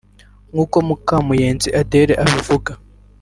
nk’uko Mukamuyenzi Adela abivuga